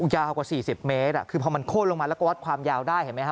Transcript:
ยาวกว่า๔๐เมตรคือพอมันโค้นลงมาแล้วก็วัดความยาวได้เห็นไหมฮ